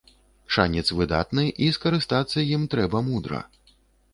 Шанец выдатны, і скарыстацца ім трэба мудра.